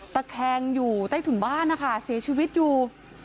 ตะแคงอยู่ใต้ถุนบ้านนะคะเสียชีวิตอยู่